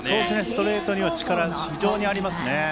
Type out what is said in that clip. ストレートに非常に力がありますね。